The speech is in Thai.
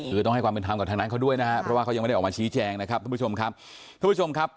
คือต้องให้ความเป็นธรรมกับทางนั้นเขาด้วยนะครับเพราะว่าเขายังไม่ได้ออกมาชี้แจงนะครับทุกผู้ชมครับ